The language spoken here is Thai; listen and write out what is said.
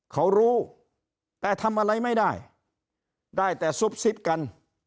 เขารู้แต่ทำอะไรไม่ได้ได้แต่ซุบซิบกัน